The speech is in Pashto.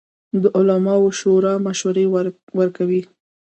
د علماوو شورا مشورې ورکوي